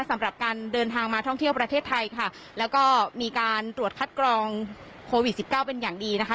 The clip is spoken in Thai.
สำหรับการเดินทางมาท่องเที่ยวประเทศไทยค่ะแล้วก็มีการตรวจคัดกรองโควิดสิบเก้าเป็นอย่างดีนะคะ